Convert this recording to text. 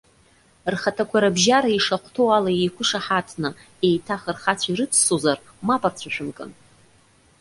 Рхаҭақәа рыбжьара ишахәҭоу ала еиқәышаҳаҭны, еиҭах рхацәа ирыццозар, мап рцәышәымкын.